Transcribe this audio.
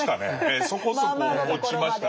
えそこそこ落ちましたね。